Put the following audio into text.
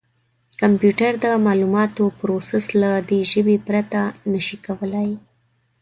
کمپیوټر د معلوماتو پروسس له دې ژبې پرته نه شي کولای.